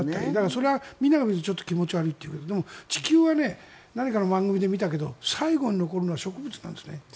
それはみんなが見たら気持ち悪いってなるけどでも、地球は何かの番組で見たけど最後に残るのは植物なんですね。